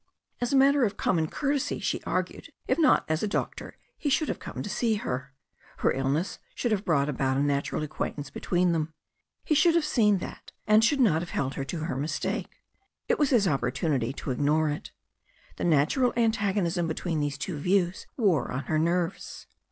As a matter of com mon courtesy, she argued, if not as a doctor, he should have come to see her. Her illness should have brought about a natural acquaintance between them. He should have seen that, and should not have held her to her mistake. It was his opportunity to ignore it. The natural antagonism be tween these two views wore on her nerves.